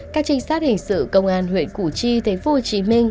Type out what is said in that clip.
các trinh sát hình sự công an huyện củ chi thành phố hồ chí minh